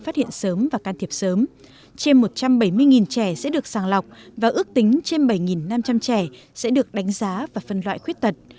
trên một trăm bảy mươi trẻ sẽ được sàng lọc và ước tính trên bảy năm trăm linh trẻ sẽ được đánh giá và phân loại khuyết tật